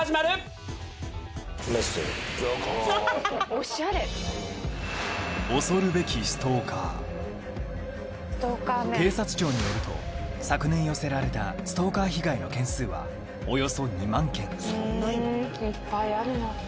オシャレ恐るべき警察庁によると昨年寄せられたストーカー被害の件数はおよそ２万件そんないるの？